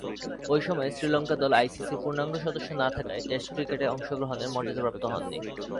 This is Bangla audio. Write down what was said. ঐ সময়ে শ্রীলঙ্কা দল আইসিসি’র পূর্ণাঙ্গ সদস্য না থাকায় টেস্ট ক্রিকেটে অংশগ্রহণের মর্যাদাপ্রাপ্ত হননি।